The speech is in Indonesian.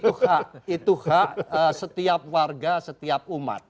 itu hak itu hak setiap warga setiap umat